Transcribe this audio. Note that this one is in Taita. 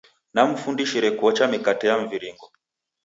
Namfundishire kuocha mikate ya mviringo.